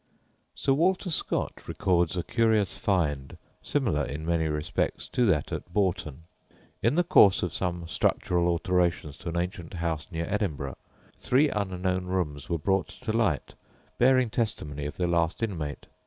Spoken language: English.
Sir Walter Scott records a curious "find," similar in many respects to that at Bourton. In the course of some structural alterations to an ancient house near Edinburgh three unknown rooms were brought to light, bearing testimony of their last inmate.